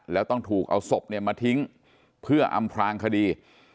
แล้วต้องถูกเอาศพเนี่ยมาทิ้งเพื่ออำพลางคดี